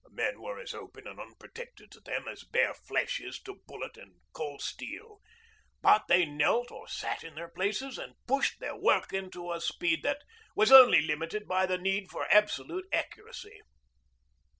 The men were as open and unprotected to them as bare flesh is to bullet or cold steel; but they knelt or sat in their places, and pushed their work into a speed that was only limited by the need for absolute accuracy.